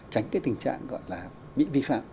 tránh cái tình trạng gọi là bị vi phạm